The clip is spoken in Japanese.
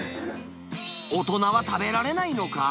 大人は食べられないのか？